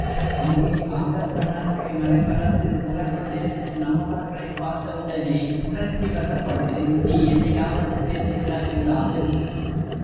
அங்கே ஆந்தைக்கண்ணனுடைய மரக்கலத்தில் சிறைப்பட்டிருக்கும் நம்மவர்களைப் பார்த்த உடனே உணர்ச்சிவசப்பட்டு நீ எதையாவது பேசிவிடக் கூடாது.